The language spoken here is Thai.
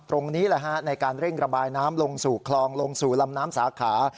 ตรงนี้แหละฮะในการเร่งระบายน้ำลงสู่คลองลงสู่ลำน้ำสาขา